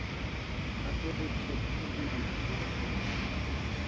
Atril'i to school Una dak'ila kai ais